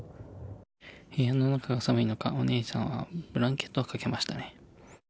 部屋の中が寒いのかお姉さんはブランケットをかけましたね。